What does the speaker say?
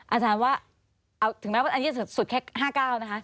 อาจารย์ว่าถึงแม้ว่าอันนี้จะสุดแค่๕๙นะคะ